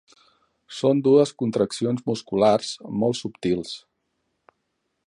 Són dues contraccions musculars molt subtils.